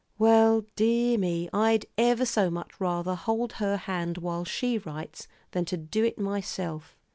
"Well, dear me, I'd ever so much rather hold her hand while she writes, than to do it myself."